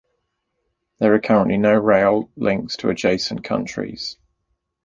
There are currently no rail links to adjacent countries.